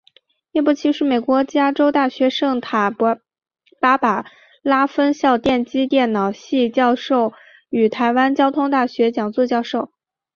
叶伯琦是美国加州大学圣塔芭芭拉分校电机电脑系教授与台湾交通大学讲座教授。